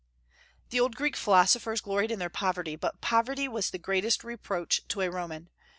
The old Greek philosophers gloried in their poverty; but poverty was the greatest reproach to a Roman.